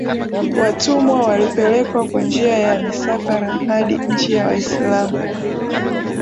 watumwa walipelekwa kwa njia ya misafara hadi nchi za Waislamu